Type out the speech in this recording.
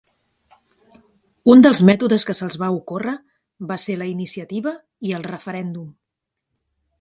Un dels mètodes que se'ls va ocórrer va ser la iniciativa i el referèndum.